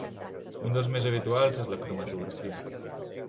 Un dels més habituals és la cromatografia.